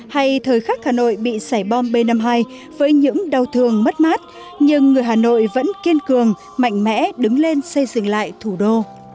hay thời khắc hà nội bị xẻ bom b năm mươi hai với những đau thương mất mát nhưng người hà nội vẫn kiên cường mạnh mẽ đứng lên xây dựng lại thủ đô